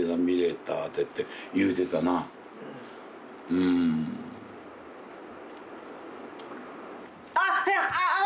うん。あっ！